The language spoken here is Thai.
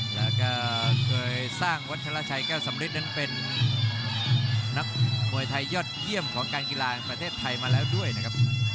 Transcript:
แล้วก็เคยสร้างวัชราชัยแก้วสำริดนั้นเป็นนักมวยไทยยอดเยี่ยมของการกีฬาแห่งประเทศไทยมาแล้วด้วยนะครับ